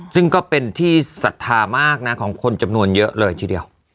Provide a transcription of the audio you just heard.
ซึ่งก็เป็นที่ศรัทธามากนะของคนจำนวนเยอะเลยทีเดียว